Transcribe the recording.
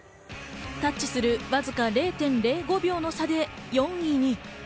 タッチするわずか０．０５秒の差で４位に。